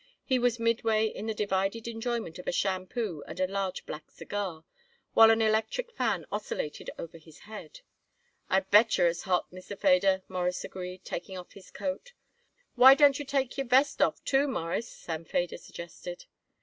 He was midway in the divided enjoyment of a shampoo and a large black cigar, while an electric fan oscillated over his head. "I bet yer it's hot, Mr. Feder," Morris agreed, taking off his coat. "Why don't you take your vest off, too, Mawruss?" Sam Feder suggested.